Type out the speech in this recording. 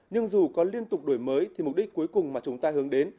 nhưng dù có liên tục đổi mới thì mục đích cuối cùng mà chúng ta hướng đến